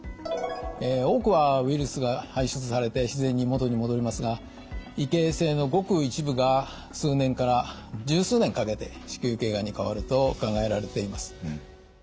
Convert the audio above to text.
多くはウイルスが排出されて自然に元に戻りますが異形成のごく一部が数年から１０数年かけて子宮頸がんに変わると考えられています。